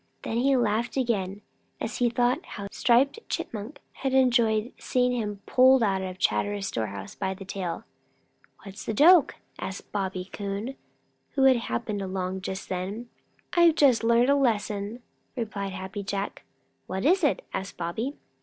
Then he laughed again as he thought how Striped Chipmunk must have enjoyed seeing him pulled out of Chatterer's storehouse by the tail. "What's the joke?" asked Bobby Coon, who happened along just then. "I've just learned a lesson," replied Happy Jack. "What is it?" asked Bobby.